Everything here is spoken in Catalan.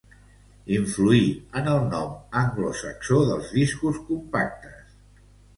Influí en el nom anglosaxó dels discos compactes.